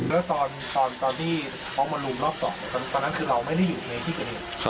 แล้วตอนที่เขามาลุมรอบ๒ตอนนั้นคือเราไม่ได้อยู่ในที่เกิดเหตุ